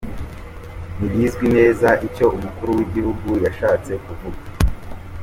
Ntibizwi neza ico umukuru w'igihugu yashatse kuvuga.